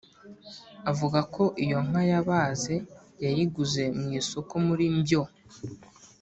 avuga ko iyo nka yabaze yayiguze mu isoko muri Mbyo